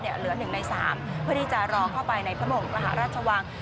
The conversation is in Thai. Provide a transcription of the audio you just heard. เหลือหนึ่งในสามเพื่อที่จะรอเข้าไปในพระมงค์ราชวัง